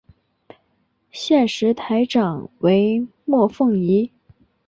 现时台长为莫凤仪。